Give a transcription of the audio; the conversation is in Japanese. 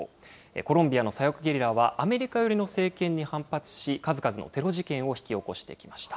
コロンビアの左翼ゲリラはアメリカ寄りの政権に反発し、数々のテロ事件を引き起こしてきました。